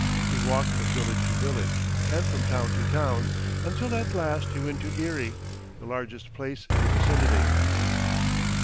He walked from village to village, and from town to town, until at last he went to Erie, the largest place in the vicinity.